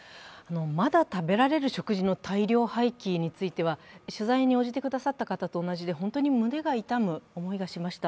まだ食べられる食事の大量廃棄については、取材に応じてくださった方と同じで本当に胸が痛む思いがしました。